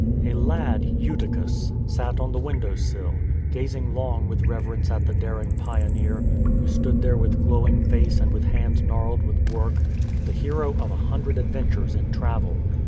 A lad, Eutychus, sat on the window sill, gazing long with reverence at the daring pioneer who stood there with glowing face and with hands gnarled with work, the hero of a hundred adventures in travel.